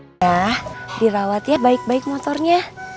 nah dirawat ya baik baik motornya